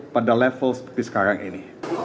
pada level seperti sekarang ini